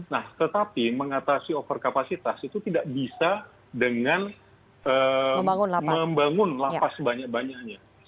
nah tetapi mengatasi over kapasitas itu tidak bisa dengan membangun lapas sebanyak banyaknya